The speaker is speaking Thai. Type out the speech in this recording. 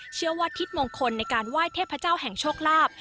เชื่อว่าทิศมงคลในการไหว้เทพเจ้าแห่งโชคลาภ